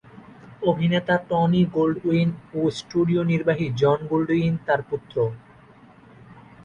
অভিনেতা Tony Goldwyn ও studio নির্বাহী জন গোল্ডউইন তার পুত্র।